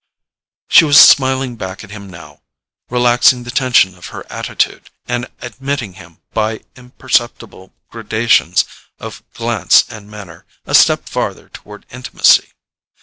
She was smiling back at him now, relaxing the tension of her attitude, and admitting him, by imperceptible gradations of glance and manner, a step farther toward intimacy.